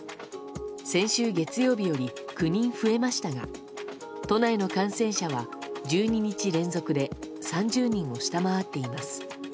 先週月曜日より９人増えましたが都内の感染者は１２日連続で３０人を下回っています。